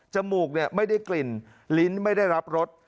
มูกไม่ได้กลิ่นลิ้นไม่ได้รับรส